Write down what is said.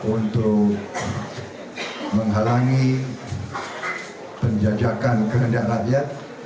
untuk menghalangi penjajakan kehendaan rakyat